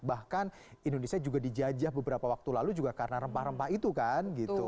bahkan indonesia juga dijajah beberapa waktu lalu juga karena rempah rempah itu kan gitu